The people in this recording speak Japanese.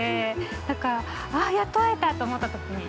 だから、あ、やっと会えたと思ったときに。